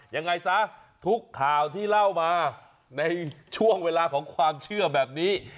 ยังไงซะทุกข่าวที่เล่ามาในช่วงเวลาของความเชื่อแบบนี้